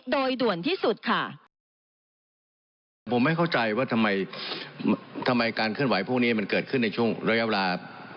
โดยด่วนที่สุดค่ะ